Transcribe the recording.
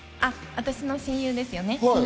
私の親友ですよね。